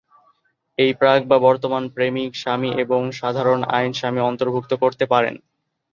এই প্রাক বা বর্তমান প্রেমিক, স্বামী এবং সাধারণ আইন স্বামী অন্তর্ভুক্ত করতে পারেন।